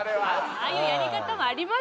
ああいうやり方もあります